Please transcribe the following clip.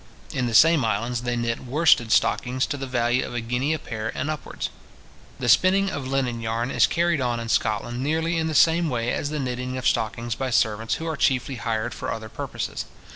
In the same islands, they knit worsted stockings to the value of a guinea a pair and upwards. The spinning of linen yarn is carried on in Scotland nearly in the same way as the knitting of stockings, by servants, who are chiefly hired for other purposes.